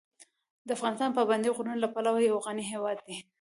افغانستان د پابندي غرونو له پلوه یو غني هېواد دی.